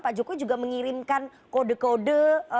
pak jokowi juga mengirimkan kode kode